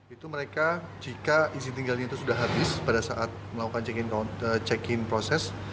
itu mereka jika izin tinggalnya itu sudah habis pada saat melakukan check in proses